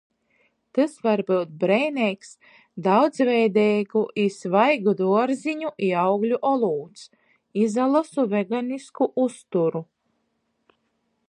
Tys var byut breineigs daudzveideigu i svaigu duorziņu i augļu olūts. Izalosu veganisku uzturu.